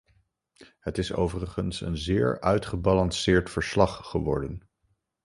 Het is overigens een zeer uitgebalanceerd verslag geworden.